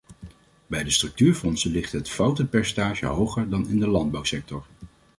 Bij de structuurfondsen ligt het foutenpercentage hoger dan in de landbouwsector.